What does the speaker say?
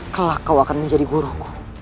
kelak kau akan menjadi guruku